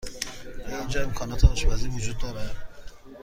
آیا اینجا امکانات آشپزی وجود دارد؟